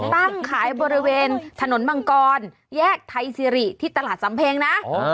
ตั้งขายบริเวณถนนมังกรแยกไทยซิริที่ตลาดสำเพงนะ